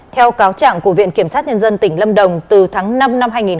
theo cáo trảng của viện kiểm sát nhân dân tỉnh lâm đồng từ tháng năm năm hai nghìn hai mươi một